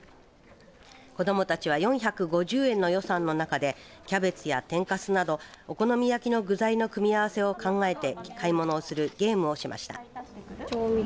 子どもたちは４５０円の予算の中でキャベツや天かすなどお好み焼きの具材の組み合わせを考えて買い物をするゲームをしました。